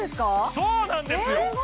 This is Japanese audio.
そうなんですよ！